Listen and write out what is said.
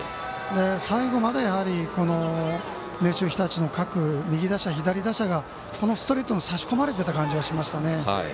最後まで、明秀日立の各右打者、左打者がこのストレートに差し込まれていた感じがしますね。